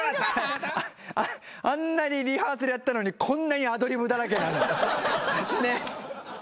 あんなにリハーサルやったのにこんなにアドリブだらけなんだ。